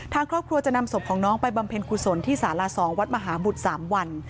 ทางครอบครัวจะนำศพของน้องไปบำเพ็ญกุศลที่สาร๒วัดมหาบุตร๓วัน